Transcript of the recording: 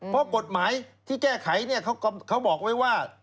เพราะกฎหมายที่แก้ไขเนี่ยเขาบอกไว้ว่า